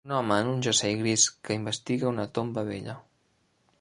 Un home en un jersei gris que investiga una tomba vella